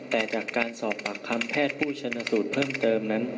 แต่จากการสอบปากคำแพทย์ผู้ชนสูตรเพิ่มเติมนั้น